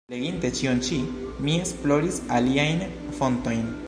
Leginte ĉion ĉi, mi esploris aliajn fontojn.